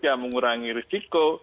yang mengurangi risiko